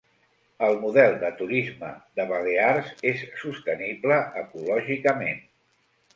El model de turisme de balears és sostenible ecològicament